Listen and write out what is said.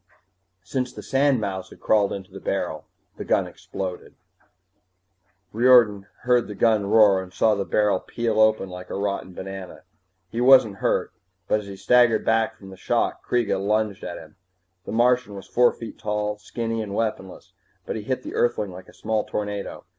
Since the sandmouse had crawled into the barrel, the gun exploded. Riordan heard the roar and saw the barrel peel open like a rotten banana. He wasn't hurt, but as he staggered back from the shock Kreega lunged at him. The Martian was four feet tall, and skinny and weaponless, but he hit the Earthling like a small tornado.